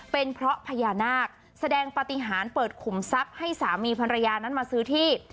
เป็นเพราะพญานาคแสดงปฏิหารเปิดขุมทรัพย์ให้สามีภรรยานั้นมาซื้อที่